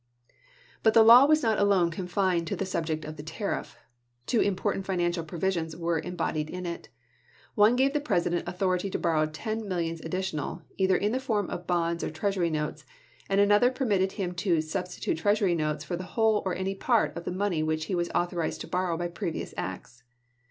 But the law was not alone confined to the sub ject of the tariff. Two important financial provi sions were embodied in it : one gave the President authority to borrow ten millions additional, either in the form of bonds or treasury notes, and another permitted him to " substitute treasury notes for the whole, or any part of the money which he was authorized to borrow by previous acts."